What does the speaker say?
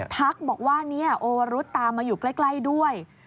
ทักบอกว่าเนี่ยโอวรุษตามมาอยู่ใกล้ด้วย